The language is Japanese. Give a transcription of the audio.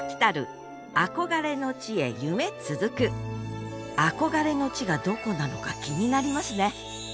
あこがれの地がどこなのか気になりますね